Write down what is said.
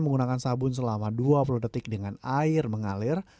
menggunakan sabun selama dua puluh detik dengan air mengalir